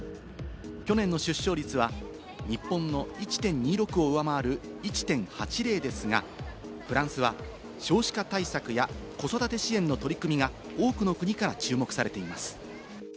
去年の出生率は日本の１．２６を上回る１．８０ですが、フランスは少子化対策や子育て支援の取り組みが多くの国から注目されています。